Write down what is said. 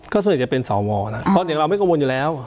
ก็ส่วนใหญ่จะเป็นสวนะเพราะอย่างเราไม่กังวลอยู่แล้ว